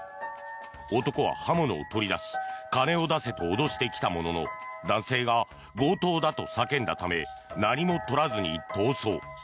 男は刃物を取り出し金を出せと脅してきたものの男性が強盗だと叫んだため何も取らずに逃走。